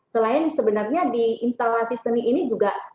selain sebenarnya di instalasi seni ini juga